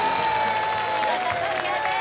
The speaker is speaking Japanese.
お見事クリアです